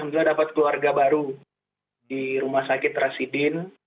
kita sudah dapat keluarga baru di rumah sakit rasidin